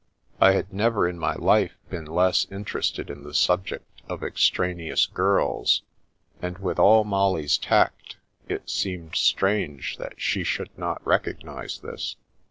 I had never in my life been less in terested in the subject of extraneous girls, and with all Molly's tact, it seemed strange that she should not recognise this.